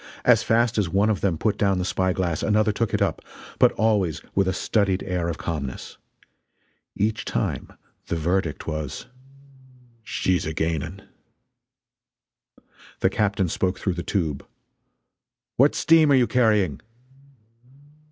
As fast as one of them put down the spy glass another took it up but always with a studied air of calmness. Each time the verdict was: "She's a gaining!" The captain spoke through the tube: "What steam are you carrying?"